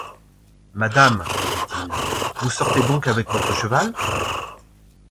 Madame, lui dit-il, vous sortez donc avec votre cheval ?